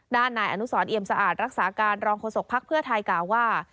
นายอนุสรเอียมสะอาดรักษาการรองโฆษกภักดิ์เพื่อไทยกล่าวว่า